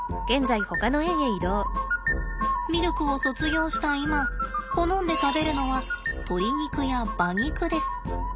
ミルクを卒業した今好んで食べるのは鶏肉や馬肉です。